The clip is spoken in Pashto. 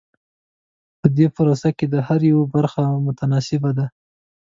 په دې پروسه کې د هر یوه برخه متناسبه وي.